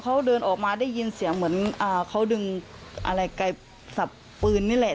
เขาเดินออกมาได้ยินเสียงเหมือนเขาดึงสับปืนนี่แหละ